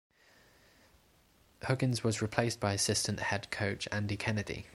Huggins was replaced by assistant head coach Andy Kennedy.